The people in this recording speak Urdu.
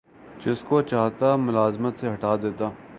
جس کو چاہتا ملازمت سے ہٹا دیتا